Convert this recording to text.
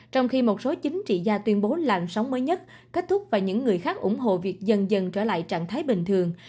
trong khi một số chính trị gia tuyên bố làn sóng mới nhất kết thúc và những người khác ủng hộ việc dần dần trở lại trạng thái bình thường